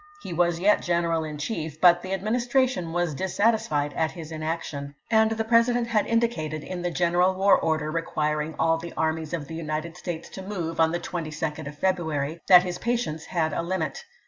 He was yet general in chief, but the Administration was dissatisfied at his inaction, 308 ABEAHAM LINCOLN cn. xYiii. aud the President had indicated, in the general war order requiring all the armies of the United States to move on the 22d of February, that his patience had a limit.